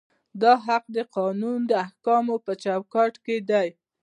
دا حق د قانون د احکامو په چوکاټ کې دی.